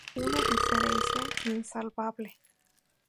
Una diferencia insalvable.